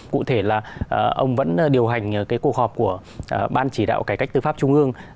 cụ thể là ông vẫn điều hành cái cuộc họp của ban chỉ đạo cải cách tư pháp trung ương